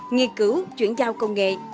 khi cứu chuyển giao công nghệ